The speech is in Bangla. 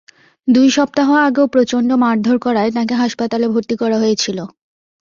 দুই সপ্তাহ আগেও প্রচণ্ড মারধর করায় তাঁকে হাসপাতালে ভর্তি করা হয়েছিল।